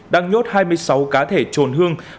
đang nhốt hai mươi sáu cá thể trồn hương